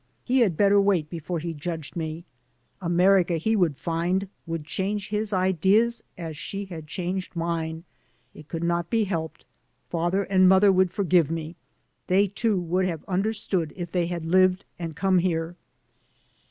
He had better wait before he judged me. America, he would find, would change his ideas, as she had changed mine. It could not be helped. Pather and mother would forgive me. They, too, would have understood if they had lived and come here.